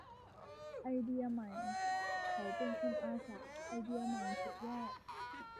ไอเดียใหม่ เขาเป็นคนอาสา ไอเดียใหม่สุดยอด